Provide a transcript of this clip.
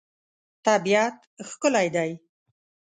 طبیعت ښکلی دی.